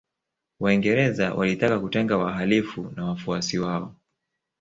Waingereza walitaka kutenga wahalifu na wafuasi wao